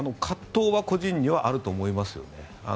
葛藤は個人にはあると思いますよね。